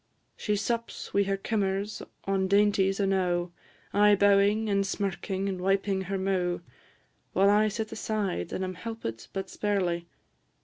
She sups, wi' her kimmers, on dainties enow, Aye bowing, and smirking, and wiping her mou'; While I sit aside, and am helpit but sparely.